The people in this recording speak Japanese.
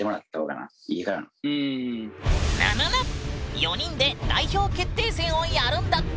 ４人で代表決定戦をやるんだって。